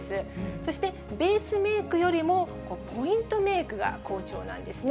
そしてベースメークよりも、ポイントメークが好調なんですね。